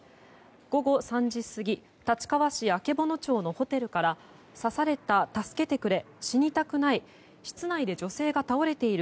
午後３時過ぎ立川市曙町のホテルから刺された、助けてくれ死にたくない室内で女性が倒れている。